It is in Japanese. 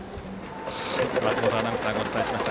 松本アナウンサーがお伝えしました。